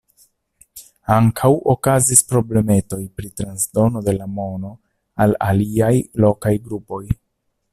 Ankaŭ okazis problemetoj pri transdono de la mono al aliaj lokaj grupoj.